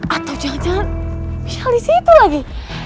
atau jangan jangan tinggal di situ lagi